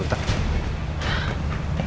pandit tunggu sebentar